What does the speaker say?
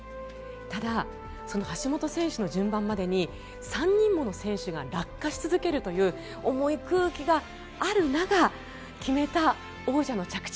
ただ、その橋本選手の順番までに３人もの選手が落下し続けるという重い空気がある中、決めた王者の着地。